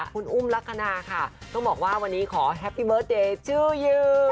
คุณอุ้มลักษณะค่ะต้องบอกว่าวันนี้ขอแฮปปี้เบิร์ตเดย์ชื่อยือ